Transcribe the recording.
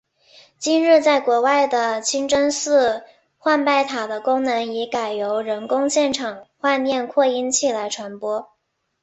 今日在国外的清真寺唤拜塔的功能已改由人工现场唤念扩音器来传播。